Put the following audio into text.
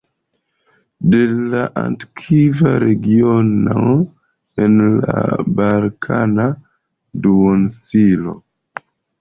De la antikva regiono en la Balkana Duoninsulo.